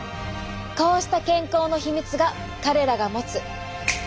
こうした健康のヒミツが彼らが持つ。